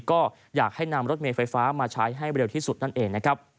ก็อยากให้นำรถเมย์ไฟฟ้ามาใช้ให้เร็วที่สุดนั่นเองนะครับ